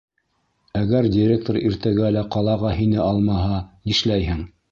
— Әгәр директор иртәгә лә ҡалаға һине алмаһа, нишләйһең?..